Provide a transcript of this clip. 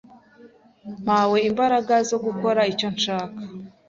mpawe imbaraga zo gukora icyo nshaka